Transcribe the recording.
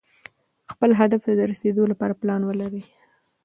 خپل هدف ته د رسېدو لپاره پلان ولرئ.